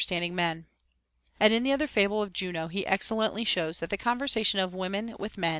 55 standing• men. And in the other fable of Juno he excel lently shows that the conversation of women with men.